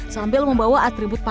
sambil membawa atribut pakaian